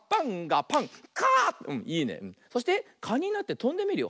そしてかになってとんでみるよ。